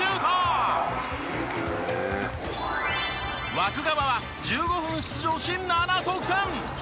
湧川は１５分出場し７得点。